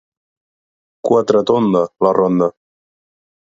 Quatretonda, la ronda.